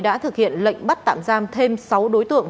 đã thực hiện lệnh bắt tạm giam thêm sáu đối tượng